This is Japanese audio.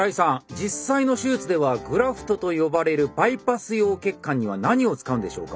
実際の手術ではグラフトと呼ばれるバイパス用血管には何を使うんでしょうか。